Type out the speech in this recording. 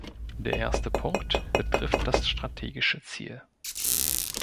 Der erste Punkt betrifft das strategische Ziel.